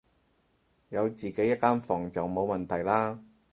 有自己一間房就冇問題啦